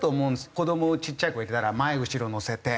子どもちっちゃい子いたら前後ろ乗せて乗る。